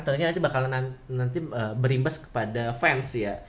tentunya nanti bakalan nanti berimbas kepada fans ya